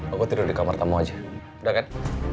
aku tidur di kamar tamu aja udah kan